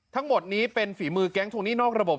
ทั้งหมดนี้เป็นฝีมือแก๊งทวงหนี้นอกระบบ